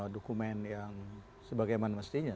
dokumen yang sebagaimana mestinya